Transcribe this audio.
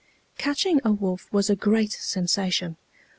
Catching a wolf was a great sensation.